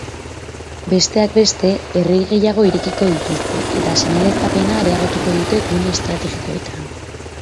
Besteak beste, errei gehiago irekiko dituzte eta seinaleztapena areagotuko dute gune estrategikoetan.